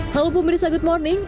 halo pemerintah good morning